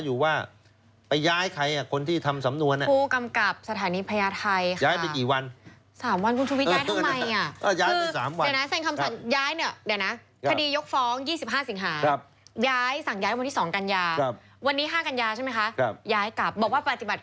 บอกว่าปฏิบัติรัชกรรมเรียบร้อยแล้ว